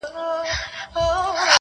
مور د ټولني فشار زغمي ډېر-